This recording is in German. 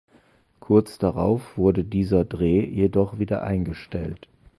Kurz darauf wurde dieser Dreh jedoch wieder eingestellt.